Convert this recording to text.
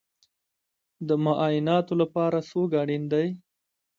د معایناتو لپاره څوک اړین دی؟